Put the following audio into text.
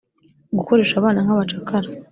gukoresha abana nk’abacakara,